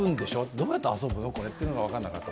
どうやって遊ぶの、これというのが分からなかった。